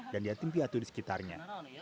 dan diantimpiatur di sekitarnya